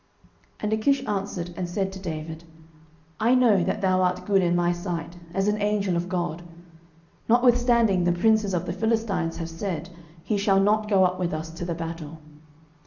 09:029:009 And Achish answered and said to David, I know that thou art good in my sight, as an angel of God: notwithstanding the princes of the Philistines have said, He shall not go up with us to the battle.